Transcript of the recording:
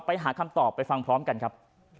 ไปหาคำตอบไปฟังพร้อมกันครับ